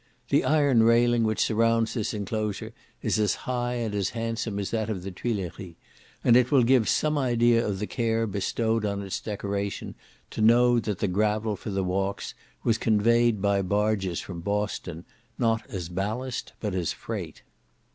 The iron railing which surrounds this enclosure is as high and as handsome as that of the Tuilleries, and it will give some idea of the care bestowed on its decoration, to know that the gravel for the walks was conveyed by barges from Boston, not as ballast, but as freight.